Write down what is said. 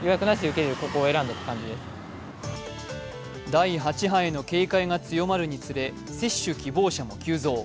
第８波への警戒が強まるにつれ、接種希望者も急増。